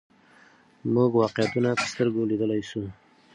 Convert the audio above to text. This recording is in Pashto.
موږ واقعیتونه په سترګو لیدلای سو.